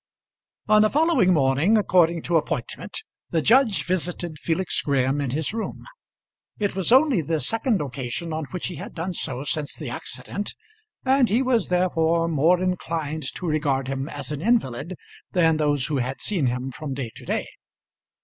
On the following morning, according to appointment, the judge visited Felix Graham in his room. It was only the second occasion on which he had done so since the accident, and he was therefore more inclined to regard him as an invalid than those who had seen him from day to day.